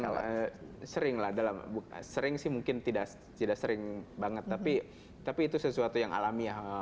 ya sering lah dalam sering sih mungkin tidak sering banget tapi itu sesuatu yang alami